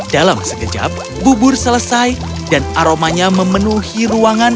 dalam sekejap bubur selesai dan aromanya memenuhi ruangan